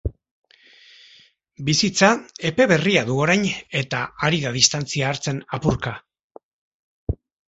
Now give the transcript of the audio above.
Bizitza epe berria du orain eta ari da distantzia hartzen, apurka.